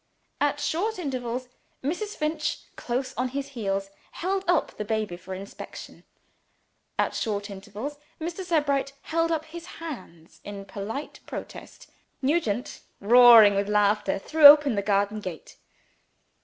At short intervals, Mrs. Finch, close on his heels, held up the baby for inspection. At short intervals, Mr. Sebright held up his hands in polite protest. Nugent, roaring with laughter, threw open the garden gate.